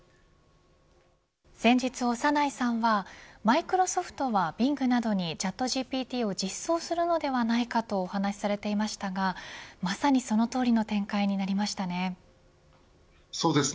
先日、長内さんはマイクロソフトはＢｉｎｇなどにＣｈａｔＧＰＴを実装するのではないかとお話されていましたがまさにそのとおりの展開になりましたね。